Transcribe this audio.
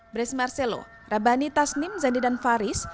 brace marcelo rabani tasnim zandi dan faris